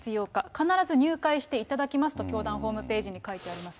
必ず入会していただきますと教団ホームページに書いてありますね。